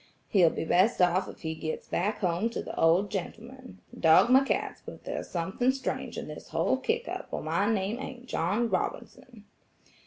He'll be best off if he gets back home to the old gentleman. Dog my cats but there's something strange in this whole kickup or my name ain't John Robinson."